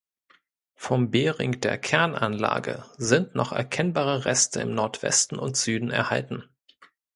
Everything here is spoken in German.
Vom Bering der Kernanlage sind noch erkennbare Reste im Nordwesten und Süden erhalten.